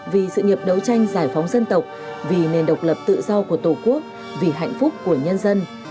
vì sự nghiệp đấu tranh giải phóng dân tộc vì nền độc lập tự do của tổ quốc vì hạnh phúc của nhân dân